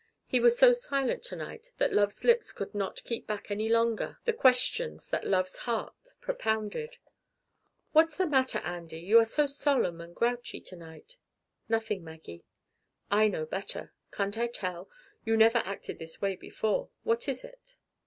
He was so silent to night that love's lips could not keep back any longer the questions that love's heart propounded. "What's the matter, Andy, you are so solemn and grouchy to night?" "Nothing, Maggie." "I know better. Can't I tell? You never acted this way before. What is it?"